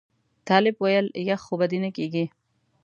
طالب ویل یخ خو به دې نه کېږي.